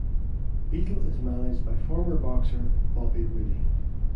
Beetle is managed by former boxer Bobby Rooney.